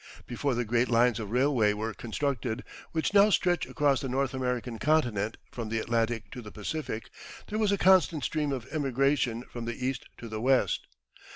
Before the great lines of railway were constructed, which now stretch across the North American continent from the Atlantic to the Pacific, there was a constant stream of emigration from the East to the West.